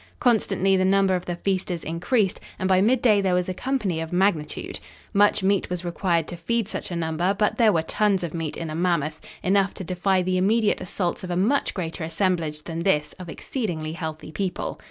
Constantly the number of the feasters increased, and by mid day there was a company of magnitude. Much meat was required to feed such a number, but there were tons of meat in a mammoth, enough to defy the immediate assaults of a much greater assemblage than this of exceedingly healthy people.